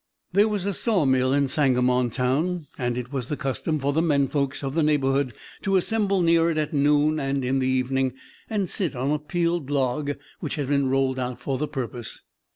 '" There was a sawmill in Sangamontown, and it was the custom for the "men folks" of the neighborhood to assemble near it at noon and in the evening, and sit on a peeled log which had been rolled out for the purpose.